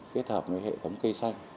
kết hợp với hệ thống cây xanh